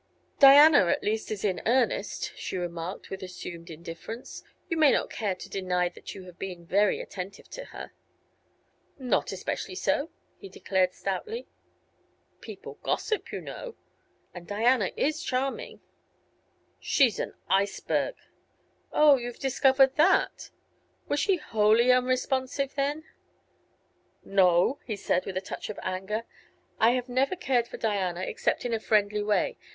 "Diana, at least, is in earnest," she remarked, with assumed indifference. "You may not care to deny that you have been very attentive to her." "Not especially so," he declared, stoutly. "People gossip, you know. And Diana is charming." "She's an iceberg!" "Oh, you have discovered that? Was she wholly unresponsive, then?" "No," he said, with a touch of anger. "I have never cared for Diana, except in a friendly way.